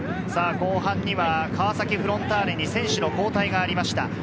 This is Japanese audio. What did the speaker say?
後半には川崎フロンターレに選手の交代がありました